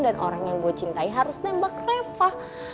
dan orang yang gue cintai harus nembak reva